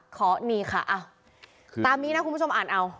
ขอนี่ค่ะตามนี้นะคุณผู้ชมอ่านเอา